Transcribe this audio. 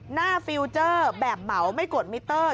ฟิลเจอร์แบบเหมาไม่กดมิเตอร์